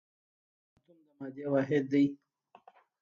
اتوم د مادې واحد دی